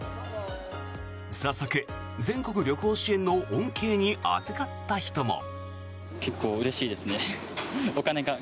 早速、全国旅行支援の恩恵にあずかった人も。